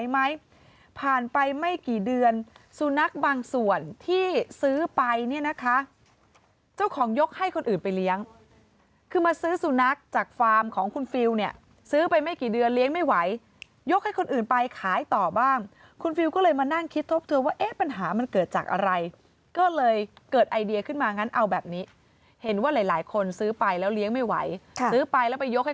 ไหมผ่านไปไม่กี่เดือนสุนัขบางส่วนที่ซื้อไปเนี่ยนะคะเจ้าของยกให้คนอื่นไปเลี้ยงคือมาซื้อสุนัขจากฟาร์มของคุณฟิลเนี่ยซื้อไปไม่กี่เดือนเลี้ยงไม่ไหวยกให้คนอื่นไปขายต่อบ้างคุณฟิลก็เลยมานั่งคิดทบทวนว่าเอ๊ะปัญหามันเกิดจากอะไรก็เลยเกิดไอเดียขึ้นมางั้นเอาแบบนี้เห็นว่าหลายหลายคนซื้อไปแล้วเลี้ยงไม่ไหวซื้อไปแล้วไปยกให้